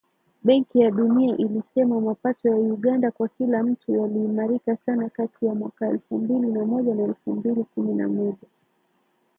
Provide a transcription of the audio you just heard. Benki ya Dunia ilisema mapato ya Uganda kwa kila mtu yaliimarika sana kati ya mwaka elfu mbili na moja na elfu mbili kumi na moja